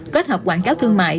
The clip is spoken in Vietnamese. kết hợp quảng cáo thương mại